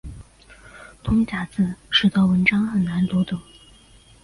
通假字使得文章很难读懂。